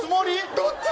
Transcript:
どっち？